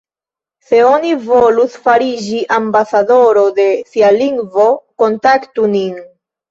Se oni volus fariĝi ambasadoro de sia lingvo, kontaktu nin.